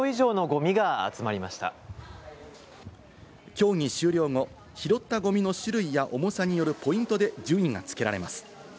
競技終了後、拾ったゴミの種類や重さによるポイントで順位がつけられます。